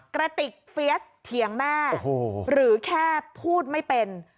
กระติกเฟียสเถียงแม่หรือแค่พูดไม่เป็น